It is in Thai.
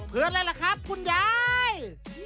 เพื่อนอะไรล่ะครับคุณยาย